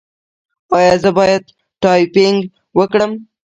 ایا زه باید ټایپینګ وکړم؟